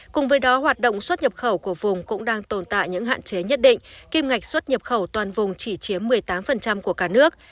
cùng với đó hoạt động xuất nhập khẩu của vùng cũng đang tồn tại những hạn chế nhất định kim ngạch xuất nhập khẩu toàn vùng chỉ chiếm một mươi tám của cả nước